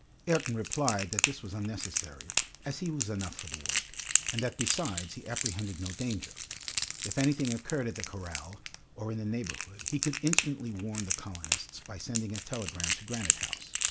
Ayrton replied that this was unnecessary, as he was enough for the work, and that besides he apprehended no danger. If anything occurred at the corral, or in the neighborhood, he could instantly warn the colonists by sending a telegram to Granite House.